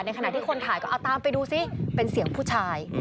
ขณะที่คนถ่ายก็เอาตามไปดูซิเป็นเสียงผู้ชาย